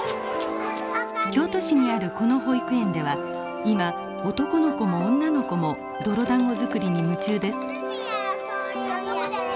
京都市にあるこの保育園では今男の子も女の子も泥だんご作りに夢中です。